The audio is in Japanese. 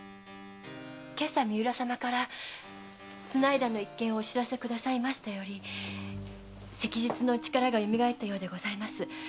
今朝三浦様から綱條の一件お知らせくださいましてより昔日のお力が蘇ったようでございます。